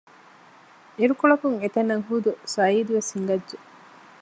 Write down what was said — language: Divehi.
އިރުކޮޅަކުން އެތަނަށް ޚުދު ސަޢީދު ވެސް ހިނގައްޖެ